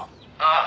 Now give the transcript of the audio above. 「ああ」